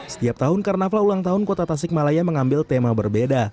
setiap tahun karnaval ulang tahun kota tasikmalaya mengambil tema berbeda